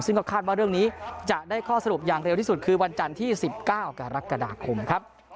ซึ่งก็คาดว่าเรื่องนี้จะได้ข้อสรุปอย่างเร็วที่สุดคือวันจันทร์ที่๑๙กรกฎาคมครับ